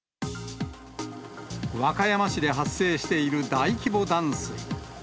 和歌山市で発生している大規模断水。